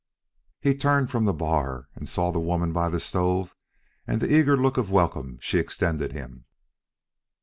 He turned from the bar and saw the woman by the stove and the eager look of welcome she extended him.